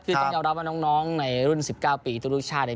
คือจังเยาะรับว่าน้องในรุ่น๑๙ปีทุกชาติ